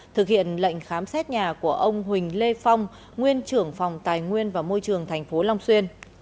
thực hiện lệnh khám xét nhà của ông huỳnh lê phong nguyên trưởng phòng tài nguyên và môi trường tp long xuyên